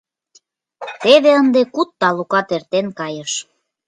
Теве ынде куд талукат эртен кайыш…